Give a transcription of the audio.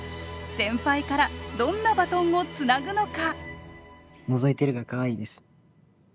先輩からどんなバトンをつなぐのか？